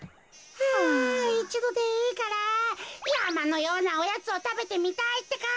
あいちどでいいからやまのようなおやつをたべてみたいってか。